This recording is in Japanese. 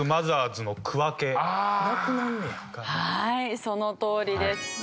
はいそのとおりです。